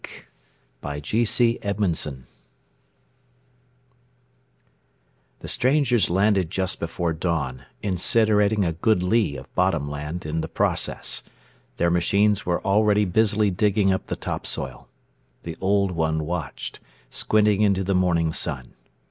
_ BY G. C. EDMONDSON Illustrated by Freas The strangers landed just before dawn, incinerating a good li of bottom land in the process. Their machines were already busily digging up the topsoil. The Old One watched, squinting into the morning sun.